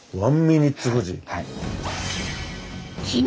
はい。